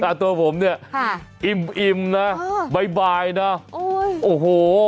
แต่ตัวผมเนี่ยอิ่มนะบ่ายนะโอ้โห